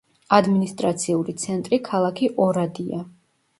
ადმინისტრაციული ცენტრი ქალაქი ორადია.